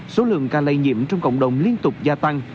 số lượng ca lây nhiễm trong cộng đồng liên tục gia tăng